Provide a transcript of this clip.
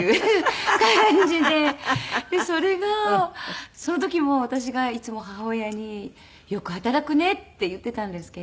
それがその時も私がいつも母親に「よく働くね」って言っていたんですけど。